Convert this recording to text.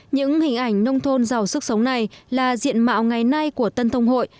những hình ảnh nông thôn giàu sức sống này là diện mạo ngày nay của tân thông hội